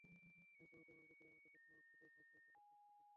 Bank, সমিতি এমনকি গ্রামে যেসব মানুষ সুদে ধার দেয়, তাদের কাছ থেকেও।